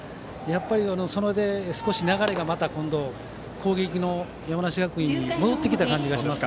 それで少し流れが、また今度攻撃の山梨学院に戻ってきた感じがします。